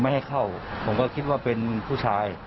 ให้เข้าผมก็คิดว่าเป็นผู้ชาย